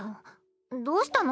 どうしたの？